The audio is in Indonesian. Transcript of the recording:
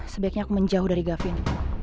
sebaiknya aku menjauh dari gavin